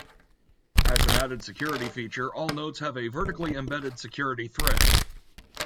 As an added security feature, all notes have a vertically embedded security thread.